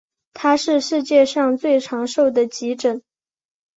它是世界上最长寿的急诊。